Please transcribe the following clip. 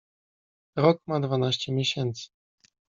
Rok ma dwanaście miesięcy.